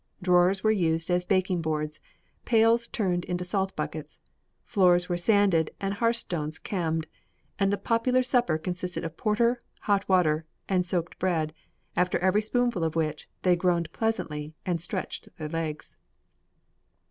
Drawers were used as baking boards, pails turned into salt buckets, floors were sanded and hearthstones ca'med, and the popular supper consisted of porter, hot water, and soaked bread, after every spoonful of which, they groaned pleasantly, and stretched their legs.